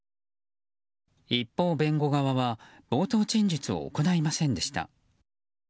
一方、弁護側は冒頭陳述を行いませんでした。